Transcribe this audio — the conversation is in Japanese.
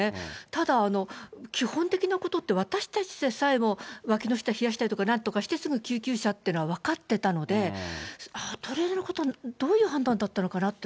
ただ、基本的なことって、私たちでさえもわきの下冷やしたりとか、なんとかしてすぐ救急車というのは分かってたので、トレーナーの方はどういう判断だったのかって。